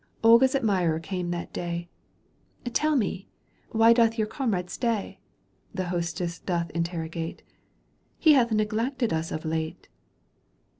91 Olga's admirer came that day :" Tell me, why doth yoiir comrade stay ?" The hostess doth interrogate :" He hath neglected ns of late."